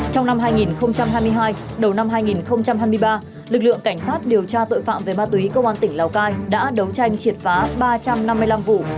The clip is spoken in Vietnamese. trong năm hai nghìn hai mươi hai đầu năm hai nghìn hai mươi ba lực lượng cảnh sát điều tra tội phạm về ma túy công an tỉnh lào cai đã đấu tranh triệt phá ba trăm năm mươi năm vụ